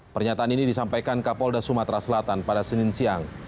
pernyataan ini disampaikan kapolda sumatera selatan pada senin siang